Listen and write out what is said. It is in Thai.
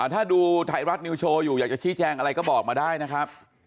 ถ้าดูไทยรัฐนิวโชว์อยู่อยากจะชี้แจงอะไรก็บอกมาได้นะครับ